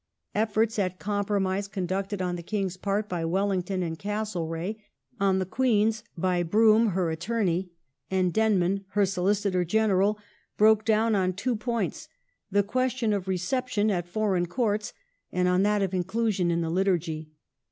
Efforts at compromise conducted, on the King's part by Wellington and Castlereagh, on the Queen's by Brougham, her Attorney, and Denman her Solicitor General, broke down on two points — the question of reception at Foreign Courts and i on that of inclusion in the Liturgy.